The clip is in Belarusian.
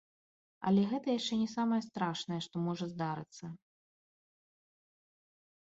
Але гэта яшчэ не самае страшнае, што можа здарыцца.